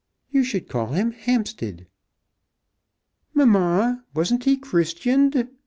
You should call him Hampstead." "Mamma, wasn't he christianed?"